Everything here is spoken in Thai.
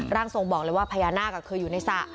ร่างทรงบอกเลยว่าพญานาคเคยอยู่ในสระ